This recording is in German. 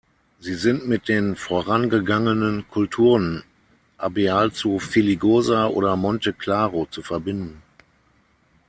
Sie sind mit den vorangegangenen Kulturen Abealzu-Filigosa oder Monte-Claro zu verbinden.